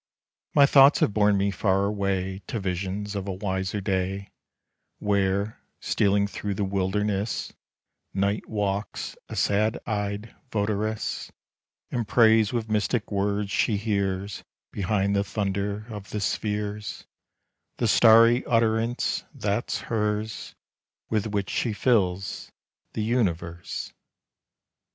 My thoughts have borne me far away To Visions of a wiser day, Where, stealing through the wilderness, NIGHT walks, a sad eyed votaress, And prays with mystic words she hears Behind the thunder of the spheres, The starry utterance that's hers, With which she fills the Universe.